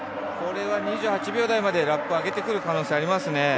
これは２８秒台までラップ上げてくる可能性ありますね。